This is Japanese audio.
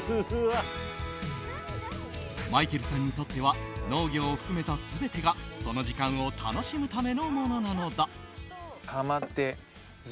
マイケルさんにとっては農業を含めた全てがその時間を楽しむためのものなのだ。